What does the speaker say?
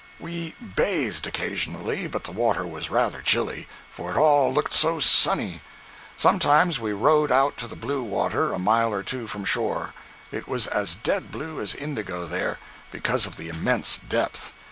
We bathed occasionally, but the water was rather chilly, for all it looked so sunny. Sometimes we rowed out to the "blue water," a mile or two from shore. It was as dead blue as indigo there, because of the immense depth.